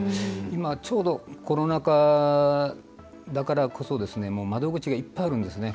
今、ちょうどコロナ禍だからこそ窓口がいっぱいあるんですね。